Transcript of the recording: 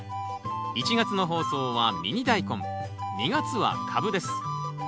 １月の放送は「ミニダイコン」２月は「カブ」です。